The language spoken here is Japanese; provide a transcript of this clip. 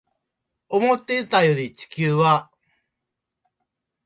思っていたより地球は